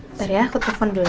bentar ya aku telfon dulu ya